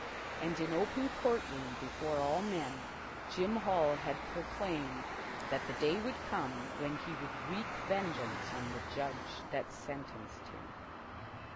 And in open court room, before all men, Jim Hall had proclaimed that the day would come when he would wreak vengeance on the Judge that sentenced him.